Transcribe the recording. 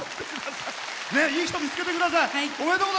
いい人を見つけてください。